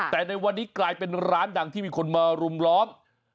แต่ในวันนี้กลายเป็นร้านดังที่มีคนมารุมล้อม